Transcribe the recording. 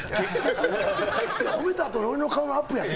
褒めたあとに俺の顔のアップやろ。